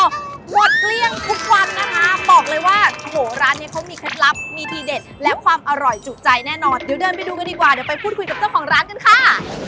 หมดเกลี้ยงทุกวันนะคะบอกเลยว่าโอ้โหร้านนี้เขามีเคล็ดลับมีทีเด็ดและความอร่อยจุใจแน่นอนเดี๋ยวเดินไปดูกันดีกว่าเดี๋ยวไปพูดคุยกับเจ้าของร้านกันค่ะ